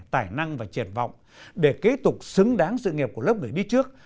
tài năng và triển vọng để kế tục xứng đáng sự nghiệp của lớp người đi trước